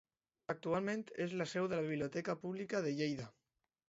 Actualment és la seu de la Biblioteca Pública de Lleida.